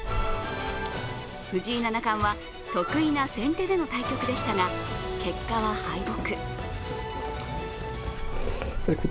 藤井七冠は得意な先手での対局でしたが結果は敗北。